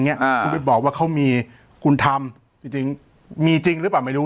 เนี้ยอ่ากูไปบอกว่าเขามีคุณทำจริงจริงมีจริงหรือเปล่าไม่รู้